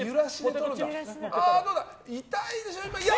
痛いでしょ。